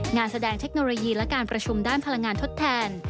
งานแสดงเทคโนโลยีและการประชุมด้านพลังงานทดแทน